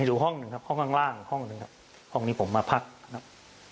อยู่ห้องหนึ่งครับห้องข้างล่างห้องหนึ่งครับห้องนี้ผมมาพักครับ